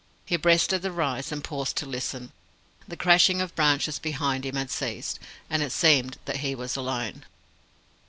He breasted the rise, and paused to listen. The crashing of branches behind him had ceased, and it seemed that he was alone.